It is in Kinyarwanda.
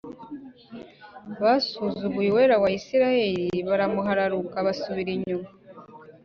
basuzuguye Uwera wa Isirayeli baramuhararuka, basubira inyuma